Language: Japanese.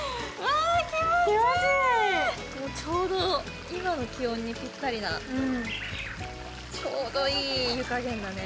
ちょうど今の気温にぴったりな、ちょうどいい湯加減だね。